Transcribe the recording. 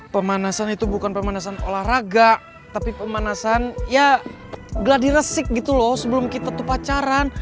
pemanasan itu bukan pemanasan olahraga tapi pemanasan ya gladiresik gitu loh sebelum kita tuh pacaran